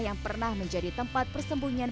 yang pernah menjadi tempat persembunyian